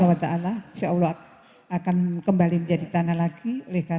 insya allah akan kembali menjadi tanah lagi oleh kanan